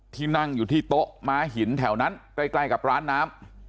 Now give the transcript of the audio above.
ที่นั่งอยู่ที่โต๊ะม้าหินแถวนั้นใกล้กับร้านน้ำ